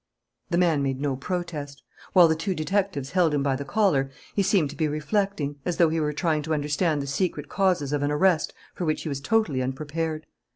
The man made no protest. While the two detectives held him by the collar, he seemed to be reflecting, as though he were trying to understand the secret causes of an arrest for which he was totally unprepared.